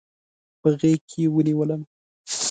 په غېږ کې ونیولم.